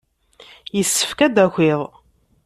Yessefk ad d-takiḍ.